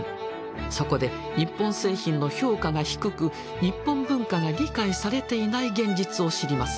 そこで日本製品の評価が低く日本文化が理解されていない現実を知ります。